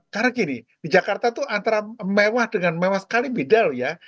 karena gini di jakarta itu antara mewah dengan mewah sekali beda loh ya